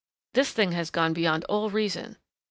This thing has gone beyond all reason."